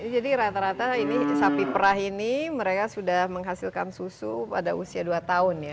jadi rata rata ini sapi perah ini mereka sudah menghasilkan susu pada usia dua tahun ya